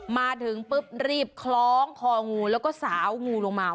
มาถึงปุ๊บรีบคล้องคองูแล้วก็สาวงูลงมา